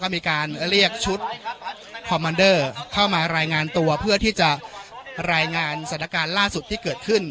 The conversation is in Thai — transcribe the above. มีการเรียกชุดคอมมันเดอร์เข้ามารายงานตัวเพื่อที่จะรายงานสถานการณ์ล่าสุดที่เกิดขึ้น